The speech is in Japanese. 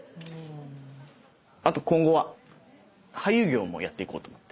あと今後は俳優業もやっていこうと思って。